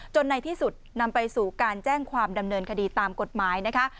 ในที่สุดนำไปสู่การแจ้งความดำเนินคดีตามกฎหมายนะคะ